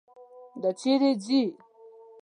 دا چیرې ځي.